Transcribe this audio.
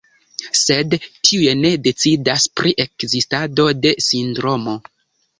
Sed tiuj ne decidas pri ekzistado de sindromo.